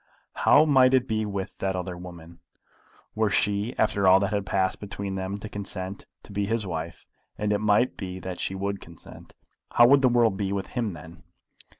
But how might it be with that other woman? Were she, after all that had passed between them, to consent to be his wife, and it might be that she would consent, how would the world be with him then?